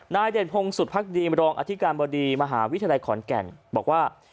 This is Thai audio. เด่นพงศุฎภักดีมรองอธิการบดีมหาวิทยาลัยขอนแก่นบอกว่า